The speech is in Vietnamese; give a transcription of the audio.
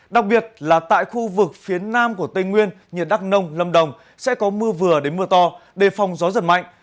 đặc biệt là tại khu vực phía nam của tây nguyên như đắk nông lâm đồng sẽ có mưa vừa đến mưa to đề phòng gió giật mạnh